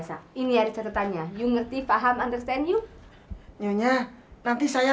sampai jumpa di video selanjutnya